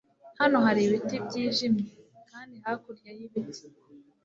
hano hari ibiti byijimye, kandi hakurya yibiti